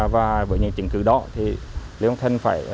và với những chứng cứ đó lê long thành phải